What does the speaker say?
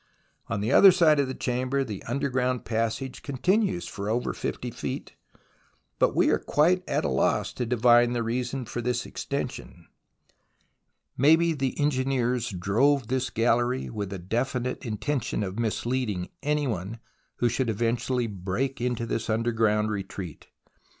On the other side of the chamber the underground passage continues for over 50 feet, but we are quite at a loss to divine the reason for this extension. Maybe the engineers drove this gallery with the definite intention of misleading any one who should eventually break a way into this under ground retreat.